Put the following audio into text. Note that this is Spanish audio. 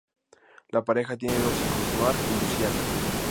La pareja tiene dos hijos, Mark y Luciana.